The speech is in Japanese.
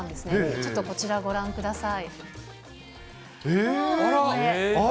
ちょっとこちらをご覧ください。